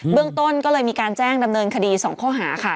เรื่องต้นก็เลยมีการแจ้งดำเนินคดี๒ข้อหาค่ะ